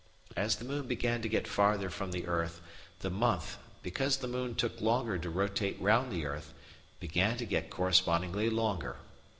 As the moon began to get farther from the earth, the month, because the moon took longer to rotate round the earth, began to get correspondingly longer.